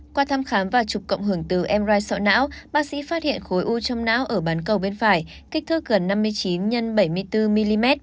qua thăm khám và chụp cộng hưởng từ em ri sọ não bác sĩ phát hiện khối u trong não ở bán cầu bên phải kích thước gần năm mươi chín x bảy mươi bốn mm